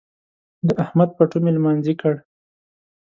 د احمد پټو مې لمانځي کړ.